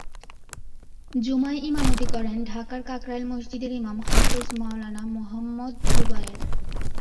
জুমায় ইমামতি করেন ঢাকার কাকরাইল মসজিদের ইমাম হাফেজ মাওলানা মুহামঞ্চদ যুবায়ের।